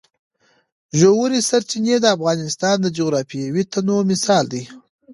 ژورې سرچینې د افغانستان د جغرافیوي تنوع مثال دی.